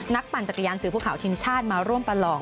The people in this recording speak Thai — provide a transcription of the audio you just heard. ปั่นจักรยานสื่อภูเขาทีมชาติมาร่วมประลอง